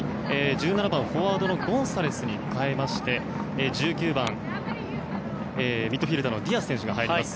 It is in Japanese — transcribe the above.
１７番、フォワードのゴンサレスに代わりまして１９番、ミッドフィールダーのディアス選手が入ります。